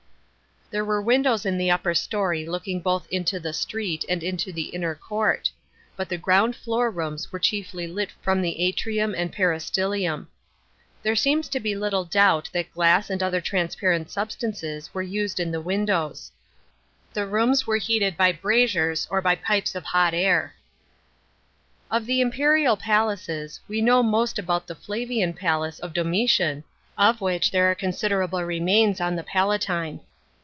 J There were windows in the upper storey looking boih into the street and into the inner court ; but the ground floor Floras w re chiefly lit f r m the atri'>m andpe isfylium. There seems to be little, doubt that ^lass and other transparent substances were used in the windows. The rooms were heated by braziers or by pipes ol hot air. § 10. Of the imperial pnlaces, we know most about the Flavian pabce of Domitian, of which there are considerable remains on the Palatine.